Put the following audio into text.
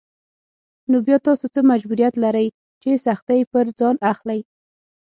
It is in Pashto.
نو بيا تاسو څه مجبوريت لرئ چې سختۍ پر ځان اخلئ.